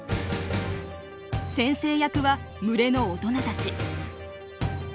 先生役は群れの大人たち。